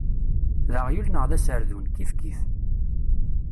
D aɣyul neɣ d aserdun, kifkif.